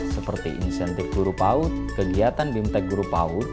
seperti insentif guru paut kegiatan bimtek guru paut